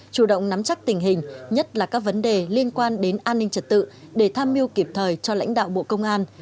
chủ động nắm chắc tình hình nhất là các vấn đề liên quan đến an ninh trật tự để tham mưu kịp thời cho lãnh đạo bộ công an